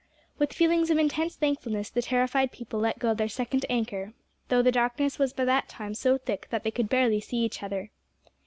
With feelings of intense thankfulness the terrified people let go their second anchor, though the darkness was by that time so thick that they could barely see each other.